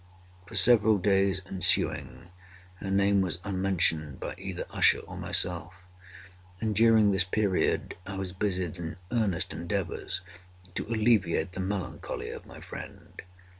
For several days ensuing, her name was unmentioned by either Usher or myself; and during this period I was busied in earnest endeavors to alleviate the melancholy of my friend.